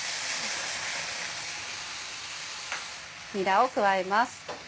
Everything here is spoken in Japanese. にらを加えます。